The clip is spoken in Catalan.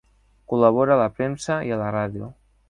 Col·labora a la premsa i a la ràdio.